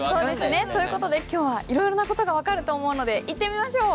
今日はいろいろな事が分かると思うので行ってみましょう！